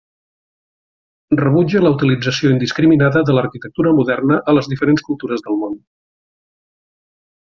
Rebutja la utilització indiscriminada de l'arquitectura moderna a les diferents cultures del món.